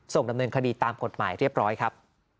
ส่งดำเนินคดีตามกฎหมายเรียบร้อยครับ